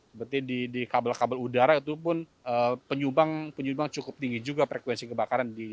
seperti di kabel kabel udara itu pun penyumbang cukup tinggi juga frekuensi kebakaran